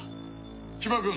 千葉君。